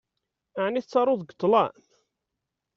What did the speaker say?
Ɛni tettaruḍ deg ṭṭlam?